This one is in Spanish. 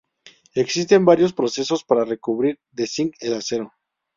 Existen varios procesos para recubrir de zinc el acero.